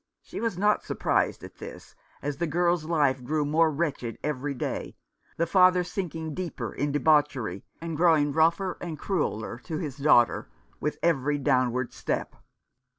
She was not surprised at this, as the girl's life grew more wretched every day, the father sinking deeper in debauchery, and growing rougher and crueller to his daughter with every downward step.